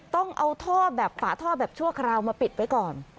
ต้องเอาฝาท่อแบบชั่วคราวมาปิดไปก่อน